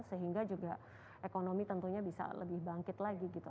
sehingga juga ekonomi tentunya bisa lebih bangkit lagi gitu